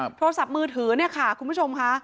โทรศัพท์มือถือเนี่ยค่ะคุณผู้ชมค่ะ